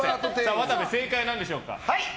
渡部、正解なんでしょうか。